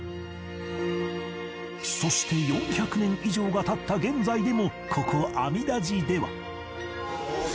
そして４００年以上が経った現在でもここ阿弥陀寺では